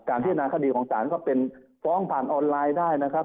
พิจารณาคดีของศาลก็เป็นฟ้องผ่านออนไลน์ได้นะครับ